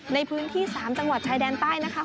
ในพื้นที่๓จังหวัดชายแดนใต้นะคะ